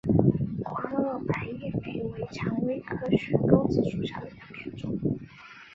宽萼白叶莓为蔷薇科悬钩子属下的一个变种。